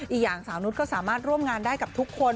อีกอย่างสาวนุษย์ก็สามารถร่วมงานได้กับทุกคน